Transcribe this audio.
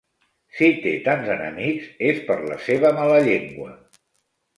Si té tants enemics és per la seva mala llengua.